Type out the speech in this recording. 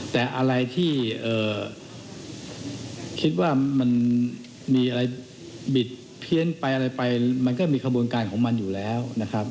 แต่อะไรที่คิดว่ามันมีอะไรบิดเพี้ยนไปอะไรไปมันก็มีขบวนการของมันอยู่แล้วนะครับ